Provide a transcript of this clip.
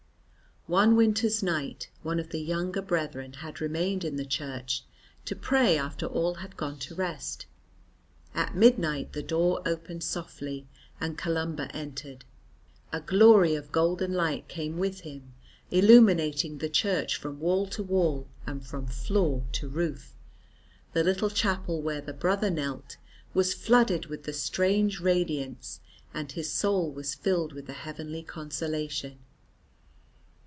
One winter's night, one of the younger brethren had remained in the church to pray after all had gone to rest. At midnight the door opened softly and Columba entered. A glory of golden light came with him, illuminating the church from wall to wall and from floor to roof. The little chapel where the brother knelt was flooded with the strange radiance and his soul was filled with a heavenly consolation.